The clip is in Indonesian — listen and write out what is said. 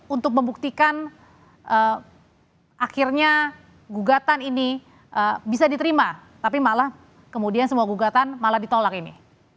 untuk membuktikan akhirnya gugatan ini bisa diterima tapi malah kemudian semua gugatan malah ditolak ini